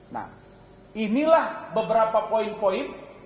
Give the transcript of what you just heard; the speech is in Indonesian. nah inilah beberapa poin poin